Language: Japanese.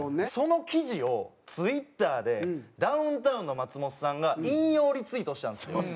その記事をツイッターでダウンタウンの松本さんが引用リツイートしたんですよ。